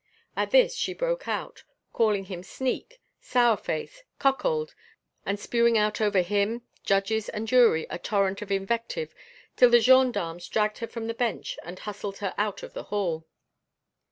At this she broke out, calling him sneak, sour face, cuckold, and spewing out over him, judges, and jury a torrent of invective, till the gendarmes dragged her from her bench and hustled her out of the hall.